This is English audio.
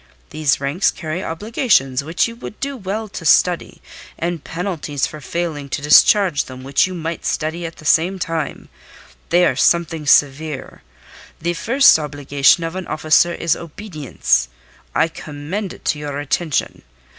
These ranks carry obligations which you would do well to study, and penalties for failing to discharge them which you might study at the same time. They are something severe. The first obligation of an officer is obedience. I commend it to your attention.